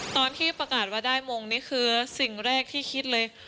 ตอนที่ประกาศว่าได้มงนี่คือสิ่งแรกที่คิดเลย